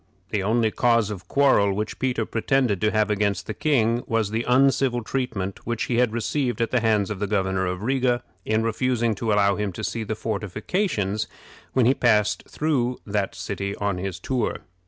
The only cause of quarrel which Peter pretended to have against the king was the uncivil treatment which he had received at the hands of the Governor of Riga in refusing to allow him to see the fortifications when he passed through that city on his tour.